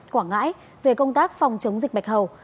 quảng ngãi về công tác phòng chống dịch bạch hầu